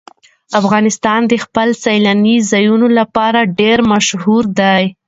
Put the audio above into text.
افغانستان د خپلو سیلاني ځایونو لپاره ډېر مشهور دی.